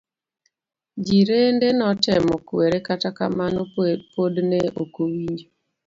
Jirende notemo kwere kata kamano pod ne okowinjo.